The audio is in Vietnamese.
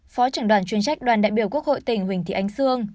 phó trường đoàn chuyên trách đoàn đại biểu quốc hội tỉnh huỳnh thị anh sương